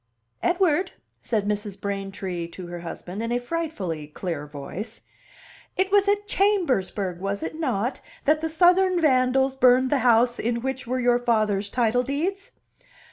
"Edward," said Mrs. Braintree to her husband, in a frightfully clear voice, "it was at Chambersburg, was it not, that the Southern vandals burned the house in which were your father's title deeds?"